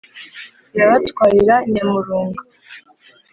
irabatwarira nyamurunga.